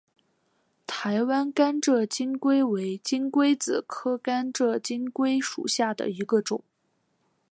台湾甘蔗金龟为金龟子科甘蔗金龟属下的一个种。